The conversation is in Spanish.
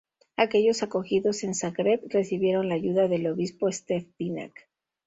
Aquellos acogidos en Zagreb recibieron la ayuda del obispo Stepinac.